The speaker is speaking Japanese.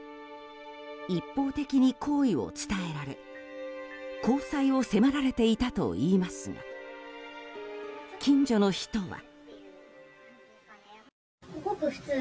一方的に好意を伝えられ交際を迫られていたといいますが近所の人は。